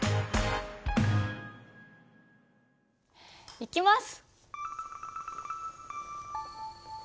いきます！